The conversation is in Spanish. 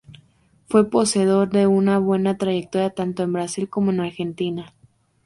Fue poseedor de una buena trayectoria tanto en Brasil como en Argentina.